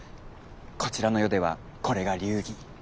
こちらの世ではこれが流儀。